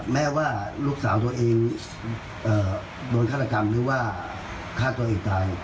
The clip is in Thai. แม้ว่าลูกสาวตัวเองโดนฆาตกรรมหรือว่าฆ่าตัวเองตาย